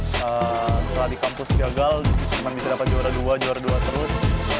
setelah di kampus gagal cuma bisa dapat juara dua juara dua terus